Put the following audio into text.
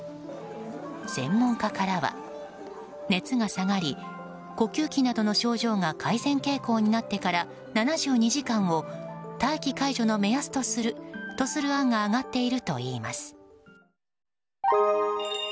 専門家からは熱が下がり呼吸器などの症状が改善傾向になってから７２時間を大気解除の目安とするとする案が挙がっているといいます。